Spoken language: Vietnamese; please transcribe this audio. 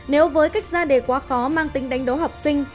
nếu với cách ra đề quá khó mang tính đánh đố học sinh